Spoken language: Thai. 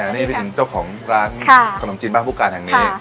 นี่คิดถึงเจ้าของร้านขนมจีนบ้านผู้การแห่งนี้